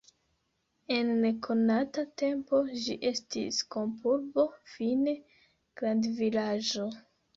En nekonata tempo ĝi estis kampurbo, fine grandvilaĝo.